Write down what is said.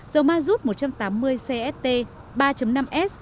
dầu mazut một trăm tám mươi cst ba năm s